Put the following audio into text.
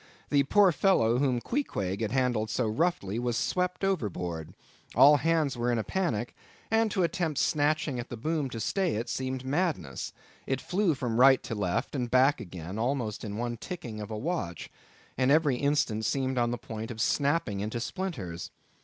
The poor fellow whom Queequeg had handled so roughly, was swept overboard; all hands were in a panic; and to attempt snatching at the boom to stay it, seemed madness. It flew from right to left, and back again, almost in one ticking of a watch, and every instant seemed on the point of snapping into splinters.